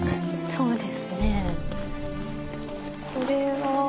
そうですね。